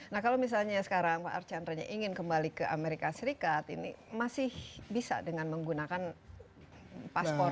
nah kalau misalnya sekarang pak archandra ingin kembali ke amerika serikat ini masih bisa dengan menggunakan paspor